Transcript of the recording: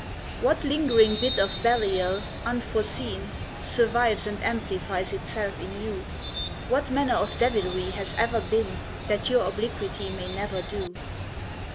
What lingering bit of Belial, unforeseen, Survives and amplifies itself in you? What manner of devilry has ever been That your obliquity may never do?